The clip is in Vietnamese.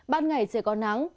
ban ngày sẽ có nắng